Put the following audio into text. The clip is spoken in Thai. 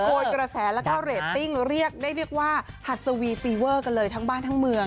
โคลดกระแสและเรทติ้งได้เรียกว่าหัสสวีฟีเวอร์กันเลยทั้งบ้านทั้งเมือง